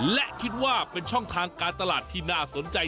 และคิดว่าเป็นช่องทางการตลาดที่น่าสนใจ